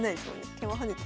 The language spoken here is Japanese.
桂馬跳ねた。